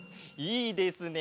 いいですね。